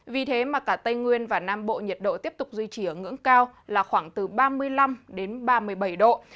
vì thế mà cả tây nguyên và nam bộ nhiệt độ tiếp tục duy trì ở ngưỡng cao là khoảng từ ba mươi năm đến ba mươi bảy độ